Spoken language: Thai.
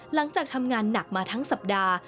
หลังจากทำงานหนักมาทั้งสัปดาห์